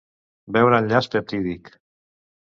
Veure enllaç peptídic.